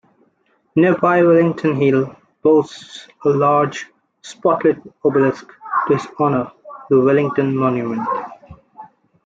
Nearby Wellington Hill boasts a large, spotlit obelisk to his honour, the Wellington Monument.